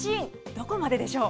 どこまででしょう？